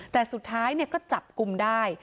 แต่สุดท้ายก็จับกลุ่มได้